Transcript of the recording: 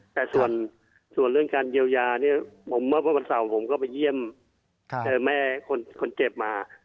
แต่ส่วนเรื่องการเยียวยาเนี่ยเมื่อวันเสาร์ผมก็ไปเยี่ยมเจอแม่คนเจ็บมา